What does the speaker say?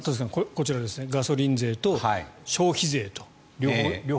こちら、ガソリン税と消費税